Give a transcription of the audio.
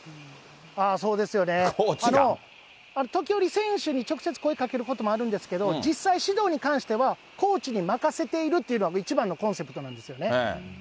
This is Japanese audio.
そうですよね、時折、選手に直接声かけることもあるんですけど、実際、指導に関しては、コーチに任せているというのが、一番のコンセプトなんですよね。